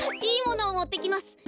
いいものをもってきます。